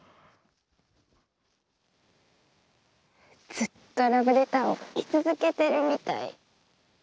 ずっとラブレターを書き続けてるみたい。